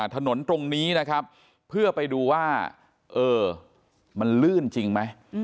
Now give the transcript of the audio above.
ถนนตรงนี้นะครับเพื่อไปดูว่าเออมันลื่นจริงไหม